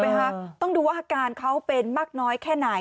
สักธุ์ภาพรักษา